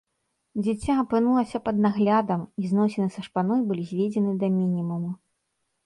Дзіця апынулася пад наглядам, і зносіны са шпаной былі зведзены да мінімуму.